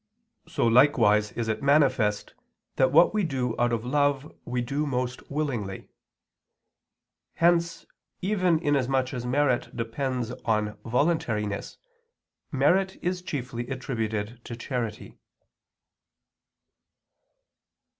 So, likewise, is it manifest that what we do out of love we do most willingly. Hence, even inasmuch as merit depends on voluntariness, merit is chiefly attributed to charity.